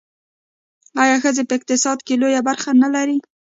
آیا ښځې په اقتصاد کې لویه برخه نلري؟